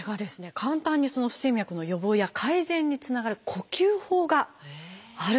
簡単に不整脈の予防や改善につながる呼吸法があるということなんです。